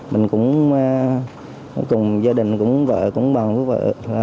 mình cũng vợ cũng bằng với vợ